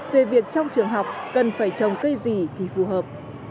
về việc trong trường học cần phải trồng cây gì thì phù hợp